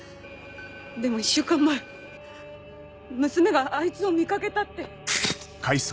でも１週間前娘があいつを見かけたって。